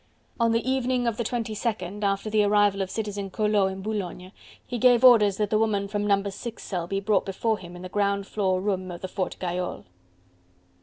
On the evening of the 22nd, after the arrival of Citizen Collot in Boulogne, he gave orders that the woman from No. 6 cell be brought before him in the ground floor room of the Fort Gayole.